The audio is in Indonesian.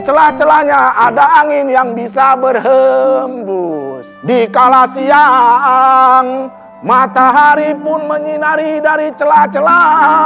celah celahnya ada angin yang bisa berhembus di kalah siang matahari pun menyinari dari celah celah